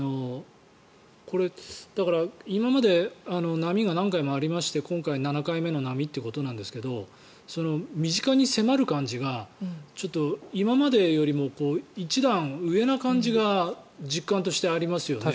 これ、今まで波が何回もありまして今回、７回目の波ということなんですが身近に迫る感じがちょっと今までよりも一段上な感じが実感としてありますよね。